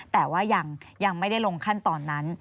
แต่ว่ายังไม่ได้ลงขั้นตอนนั้น